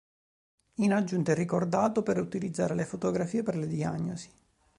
In aggiunta è ricordato per utilizzare le fotografie per le diagnosi.